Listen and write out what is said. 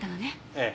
ええ。